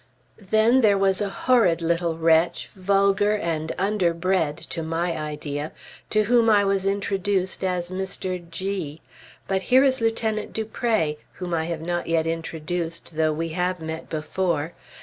Then there was a horrid little wretch, vulgar and underbred (to my idea), to whom I was introduced as Mr. G .... But here is Lieutenant Dupré, whom I have not yet introduced, though we have met before.